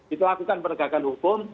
itu lakukan penegakan hukum